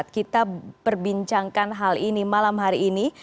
kita perbincangkan hal ini malam hari ini